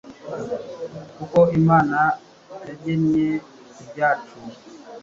Kuko Imana yagennye ibyacu